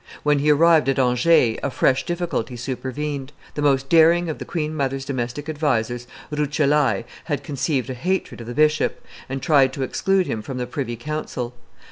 When he arrived at Angers a fresh difficulty supervened. The most daring, of the queen mother's domestic advisers, Ruccellai, had conceived a hatred of the bishop, and tried to exclude him from the privy council.